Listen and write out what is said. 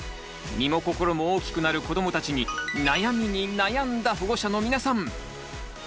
身も心も大きくなる子どもたちに悩みに悩んだ保護者の皆さん！